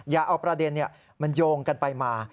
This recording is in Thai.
อย่าเอาประเด็นมันโยงกันไปมา